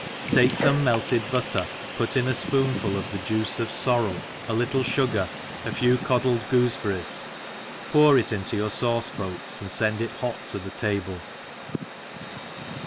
TAKE fome melted butter, put in a fpoonful of the juice of forrcl, a little fugar, a few cod Jed goofe berries, pour it into your fauce boats^ and fend it hot to the table